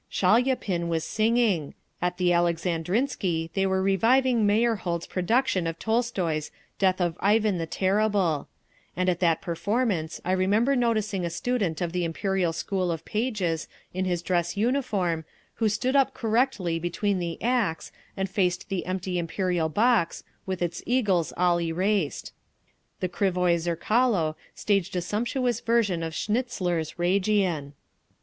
Shaliapin was singing. At the Alexandrinsky they were reviving Meyerhold's production of Tolstoy's "Death of Ivan the Terrible"; and at that performance I remember noticing a student of the Imperial School of Pages, in his dress uniform, who stood up correctly between the acts and faced the empty Imperial box, with its eagles all erased…. The Krivoye Zerkalo staged a sumptuous version of Schnitzler's "Reigen."